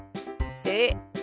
えっ？